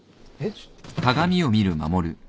ちょっと。